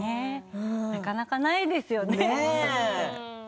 なかなかないですよね。